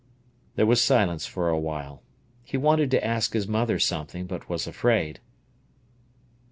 There was silence for a while. He wanted to ask his mother something, but was afraid.